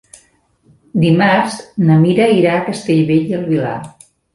Dimarts na Mira irà a Castellbell i el Vilar.